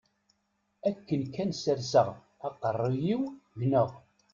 Akken kan serseɣ aqerruy-iw gneɣ.